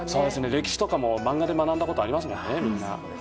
歴史とかも漫画で学んだことありますもんね。